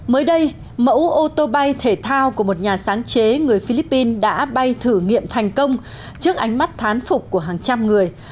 mới đây mẫu ô tô bay thể thao của một nhà sáng chế người philippines đã bay thử nghiệm thành công trước ánh mắt thán phục của hàng trăm người